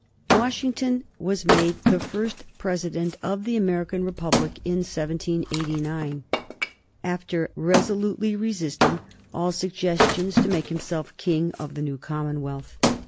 Washington was made the first President of the American Republic in 1789, after resolutely resisting all suggestions to make himself king of the new commonwealth.